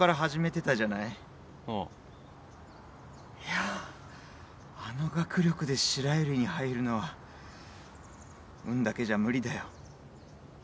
いやぁあの学力で白百合に入るのは運だけじゃ無理だよ。